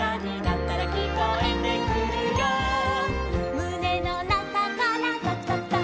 「むねのなかからとくとくとく」